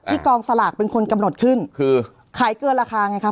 กองสลากเป็นคนกำหนดขึ้นคือขายเกินราคาไงครับ